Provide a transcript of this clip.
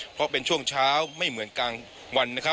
เพราะเป็นช่วงเช้าไม่เหมือนกลางวันนะครับ